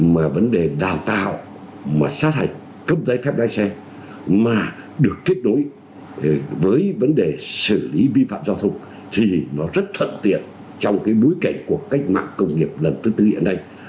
mà vấn đề đào tạo mà sát hạch cấp giấy phép lái xe mà được kết nối với vấn đề xử lý vi phạm giao thông thì nó rất thuận tiện trong bối cảnh của cách mạng công nghiệp lần thứ tư hiện nay